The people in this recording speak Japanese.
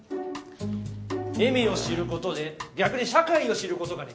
恵美を知ることで逆に社会を知ることができる。